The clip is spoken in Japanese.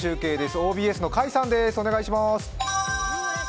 ＯＢＳの甲斐さんです。